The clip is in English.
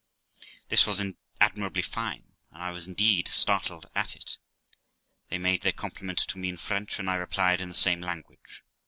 This was admirably fine, and I was indeed startled at it. They made their compliment to me in French, and I replied in the same language.